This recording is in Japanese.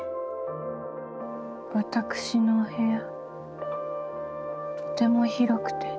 私のお部屋とても広くて。